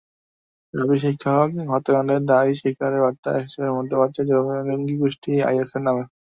রাবি শিক্ষক হত্যাকাণ্ডের দায় স্বীকারের বার্তা এসেছিল মধ্যপ্রাচ্যের জঙ্গিগোষ্ঠী আইএসের নামে।